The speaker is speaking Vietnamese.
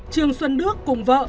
trương xuân đức cùng vợ